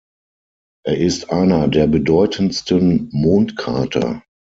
Er ist einer der bedeutendsten Mondkrater.